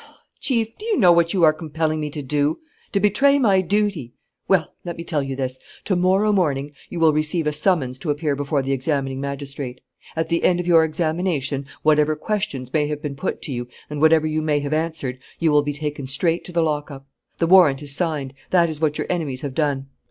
"Chief, do you know what you are compelling me to do? To betray my duty. Well, let me tell you this: to morrow morning you will receive a summons to appear before the examining magistrate. At the end of your examination, whatever questions may have been put to you and whatever you may have answered, you will be taken straight to the lockup. The warrant is signed. That is what your enemies have done."